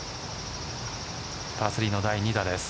パー３の第２打です。